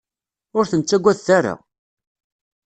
Ur ten-ttagadet ara!